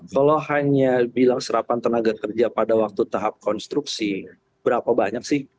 kalau hanya bilang serapan tenaga kerja pada waktu tahap konstruksi berapa banyak sih